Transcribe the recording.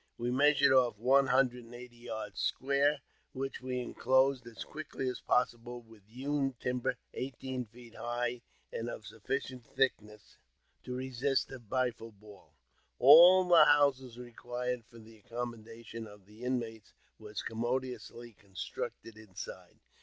We measured off one hundred and eighty yards square, which w^e enclosed as quickly as possible with hewn timber eighteen feet high, and of sufiicient thickness to re^st a rifle ball : all the houses required for the accommoda tion of the inmates w^ere commodiously constructed inside.